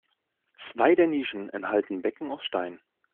Zwei der Nischen enthalten Becken aus Stein.